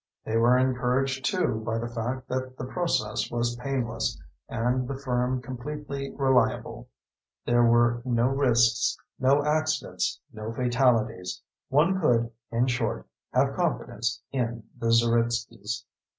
They were encouraged, too, by the fact that the process was painless, and the firm completely reliable. There were no risks, no accidents, no fatalities. One could, in short, have confidence in the Zeritskys.